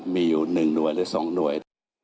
มีอยู่๑หน่วยหรือ๒หน่วย